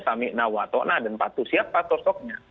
sami nawatona dan siapa tosoknya